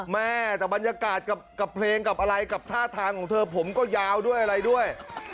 แม่แต่บรรยากาศกับเพลงกับอะไรกับท่าทางของเธอผมก็ยาวด้วยอะไรด้วย